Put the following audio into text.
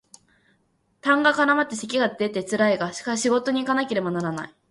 痰が絡まった咳が出てつらいが仕事にいかなければならない